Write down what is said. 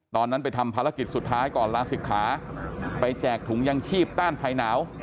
ตอนนั้นไปทำภารกิจสุดท้ายก่อนลาศิกขาไปแจกถุงยังชีพต้านภัยหนาว